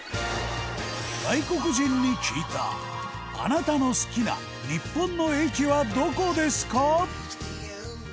外国人に聞いたあなたの好きな日本の駅はどこですか？